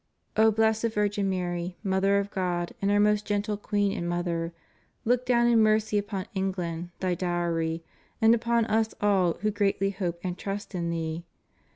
O Blessed Virgin Mary, Mother of God and our most gentle Queen and Mother, look down in mercy upon England thy "Dowry" and upon us all who greatly hope and trust in thee.